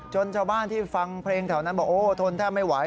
จนเจ้าบ้านที่ฟังเพลงแถวนั้นบอกโอ้โธนถ้าไม่ไหว